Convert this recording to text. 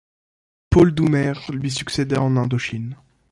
Paul Doumer lui succèda en Indochine.